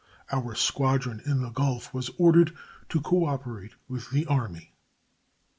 Our squadron in the Gulf was ordered to cooperate with the Army.